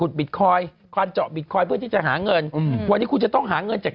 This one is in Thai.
อึกอึกอึกอึกอึกอึกอึกอึกอึก